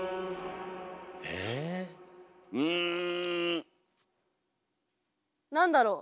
うん。何だろう？